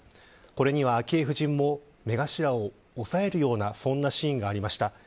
これには、昭恵夫人も目頭を押さえるようなそんなシーンがありました。